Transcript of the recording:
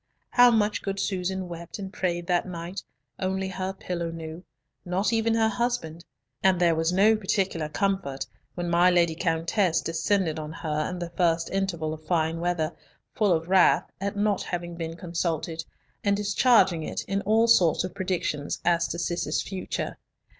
How much good Susan wept and prayed that night, only her pillow knew, not even her husband; and there was no particular comfort when my Lady Countess descended on her in the first interval of fine weather, full of wrath at not having been consulted, and discharging it in all sorts of predictions as to Cis's future.